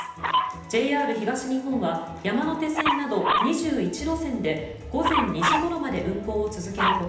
ＪＲ東日本は山手線など２１路線で午前２時ごろまで運行を続ける他